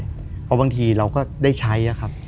เพราะบางทีเราก็ได้ใช้ครับ